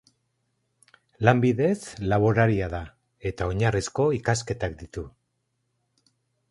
Lanbidez laboraria da eta oinarrizko ikasketak ditu.